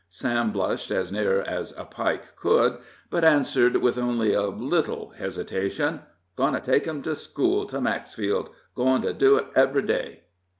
Sam blushed as near as a Pike could, but answered with only a little hesitation: "Goin' to take 'em to school to Maxfield goin' to do it ev'ry day."